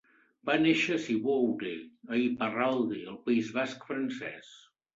Va néixer a Ciboure, a Iparralde, el País Basc francès.